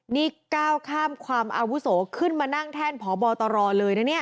นี่ก้าวข้ามความอาวุโสขึ้นมานั่งแท่นพบตรเลยนะเนี่ย